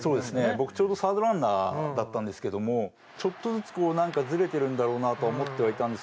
僕ちょうどサードランナーだったんですけどもちょっとずつなんかズレてるんだろうなとは思ってはいたんですけど。